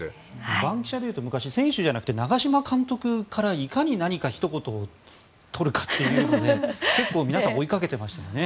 番記者でいうと昔、選手じゃなくて長嶋監督からいかに何かひと言を取るかというので結構皆さん追いかけてましたよね。